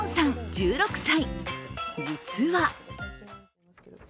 １６歳。